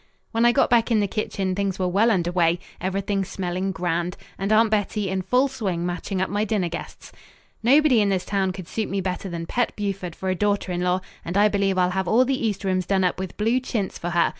When I got back in the kitchen things were well under way, everything smelling grand, and Aunt Bettie in full swing matching up my dinner guests. "Nobody in this town could suit me better than Pet Buford for a daughter in law, and I believe I'll have all the east rooms done up with blue chintz for her.